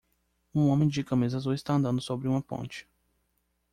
Um homem de camisa azul está andando sobre uma ponte